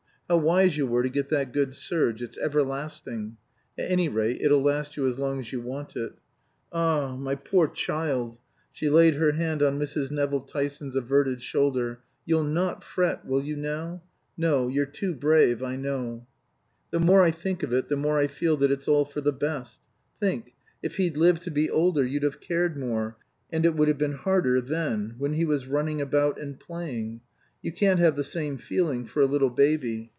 How wise you were to get that good serge. It's everlasting. At any rate it'll last you as long as you want it. Ah h! My poor child" she laid her hand on Mrs. Nevill Tyson's averted shoulder "you'll not fret, will you, now? No you're too brave, I know. The more I think of it the more I feel that it's all for the best. Think if he'd lived to be older you'd have cared more, and it would have been harder then when he was running about and playing. You can't have the same feeling for a little baby.